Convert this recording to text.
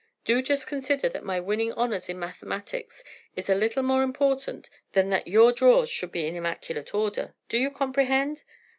Do just consider that my winning honors in mathematics is a little more important than that your drawers should be in immaculate order. Do you comprehend?"